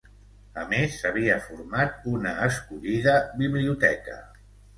A més havia format una escollida biblioteca.